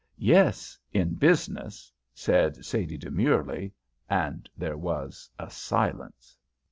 "Yes, in business," said Sadie, demurely, and there was a silence.